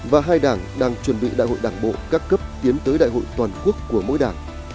và hai đảng đang chuẩn bị đại hội đảng bộ các cấp tiến tới đại hội toàn quốc của mỗi đảng